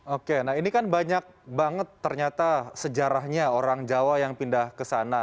oke nah ini kan banyak banget ternyata sejarahnya orang jawa yang pindah ke sana